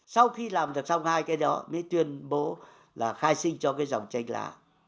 sau khi làm được xong hai cái đó mới tuyên bố là khai sinh cho cái dòng tranh là